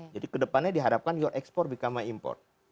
jadi kedepannya diharapkan your export become my import